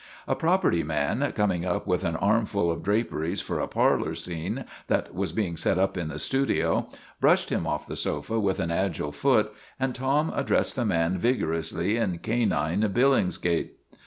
A property man, coming up with an armful of draperies for a parlor scene that was being set up in the studio, brushed him off the sofa with an agile foot, and Tom addressed the man vigorously in canine Billingsgate.